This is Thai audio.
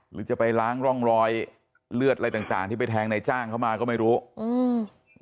หรือจะไปล้างร่องรอยเลือดอะไรต่างต่างที่ไปแทงในจ้างเข้ามาก็ไม่รู้อืม